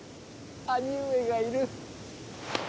兄上がいる。